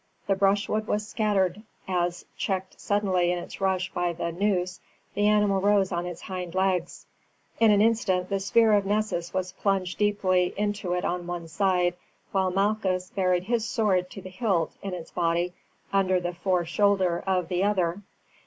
The brushwood was scattered as, checked suddenly in its rush by the noose, the animal rose on its hind legs. In an instant the spear of Nessus was plunged deeply into it on one side, while Malchus buried his sword to the hilt in its body under the fore shoulder of the other.